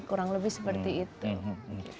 kurang lebih seperti itu